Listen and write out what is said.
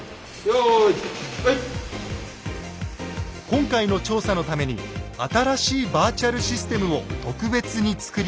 今回の調査のために新しいバーチャル・システムを特別に作り上げました。